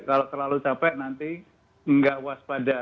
kalau terlalu capek nanti nggak waspada